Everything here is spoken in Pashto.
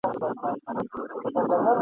معلم وپوښتی حکمت په زنګوله کي !.